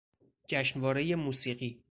جشنوارهی موسیقی